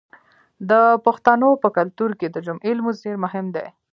د پښتنو په کلتور کې د جمعې لمونځ ډیر مهم دی.